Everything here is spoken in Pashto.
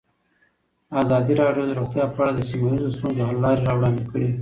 ازادي راډیو د روغتیا په اړه د سیمه ییزو ستونزو حل لارې راوړاندې کړې.